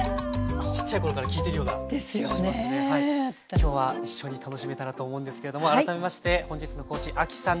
今日は一緒に楽しめたらと思うんですけれども改めまして本日の講師亜希さんです。